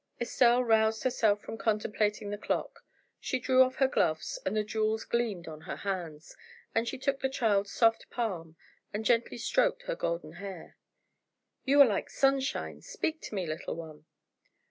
Estelle roused herself from contemplating the clock; she drew off her gloves, and the jewels gleamed on her hands, as she took the child's soft palm, and gently stroked her golden hair. "You are like sunshine! Speak to me, little one."